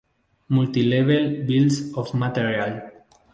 Multi-level Bills of Material.